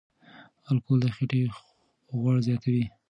الکول د خېټې غوړ زیاتوي.